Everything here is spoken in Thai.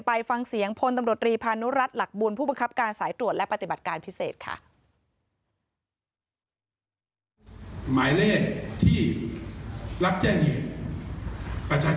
ไปฟังเสียงพลตำรวจรีพานุรัติหลักบุญผู้บังคับการสายตรวจและปฏิบัติการพิเศษค่ะ